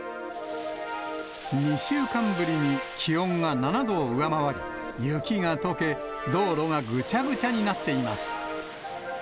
２週間ぶりに気温が７度を上回り、雪がとけ、道路がぐちゃぐちゃになっています。